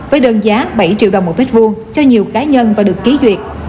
với đơn giá bảy triệu đồng một mét vuông cho nhiều cá nhân và được ký duyệt